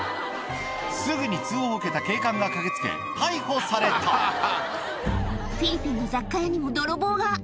すぐに通報を受けた警官が駆け付け逮捕されたフィリピンの雑貨屋にも泥棒が「クッソ金になりそうなもんねえな」